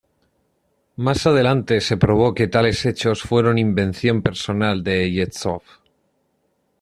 Más adelante se probó que tales hechos fueron invención personal de Yezhov.